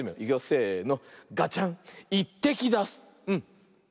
せの。